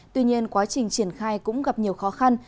tuy nhiên quá trình triển khai cũng gặp nhiều khó khăn